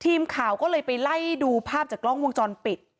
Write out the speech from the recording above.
ทีมข่าวก็เลยไปไล่ดูภาพจากกล้องวงจรปิด